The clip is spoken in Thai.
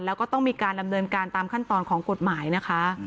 แล้วก็ต้องมีการดำเนินการตามขั้นตอนของกฎหมายนะคะ